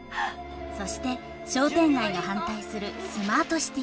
そして商店街が反対するスマートシティ計画。